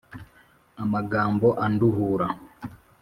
Amagambo anduhura